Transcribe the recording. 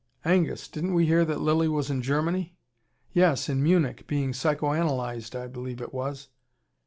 "Angus! Didn't we hear that Lilly was in Germany?" "Yes, in Munich, being psychoanalysed, I believe it was."